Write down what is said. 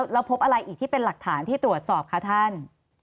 แล้วพบอะไรอีกที่เป็นหลักฐานที่ตรวจสอบคะท่าน